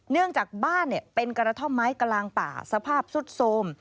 เนื่องจากบ้านเป็นกระท่อมไม้กลางป่าสภาพสุดโทรม